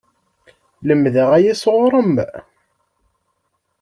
Lemdeɣ aya sɣur-m!